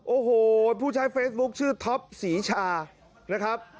โอ้โหผู้ใช้เฟซบุ๊คชื่อท็อปศรีชานะครับ